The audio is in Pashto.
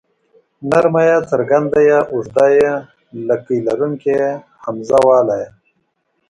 نرمه ی څرګنده ي اوږده ې لکۍ لرونکې ۍ همزه واله ئ